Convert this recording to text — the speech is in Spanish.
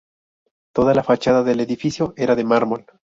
Toda la fachada del edificio era de mármol.